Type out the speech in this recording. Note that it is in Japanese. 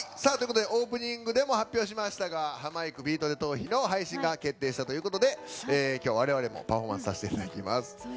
オープニングでも発表しましたがハマいくの「ビートＤＥトーヒ」の配信が決定したということで今日、我々もパフォーマンスさせていただきます。